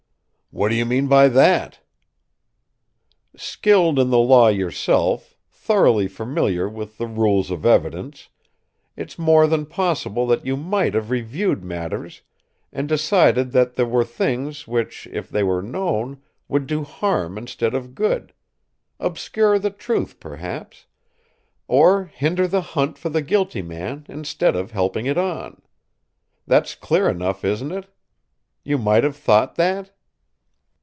"What do you mean by that?" "Skilled in the law yourself, thoroughly familiar, with the rules of evidence, it's more than possible that you might have reviewed matters and decided that there were things which, if they were known, would do harm instead of good obscure the truth, perhaps; or hinder the hunt for the guilty man instead of helping it on. That's clear enough, isn't it? You might have thought that?"